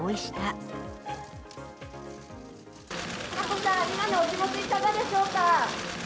眞子さん、今のお気持ちいかがでしょうか。